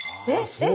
えっ！